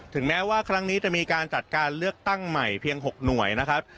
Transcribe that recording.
แม้ว่าครั้งนี้จะมีการจัดการเลือกตั้งใหม่เพียง๖หน่วยนะครับ